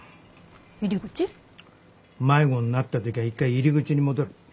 迷子になった時は一回入り口に戻る。